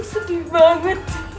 sedih banget sih